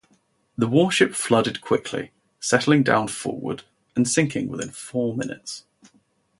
The warship flooded quickly, settling down forward and sinking within four minutes.